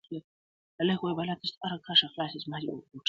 پلار ویله د قاضي کمال څرګند سو-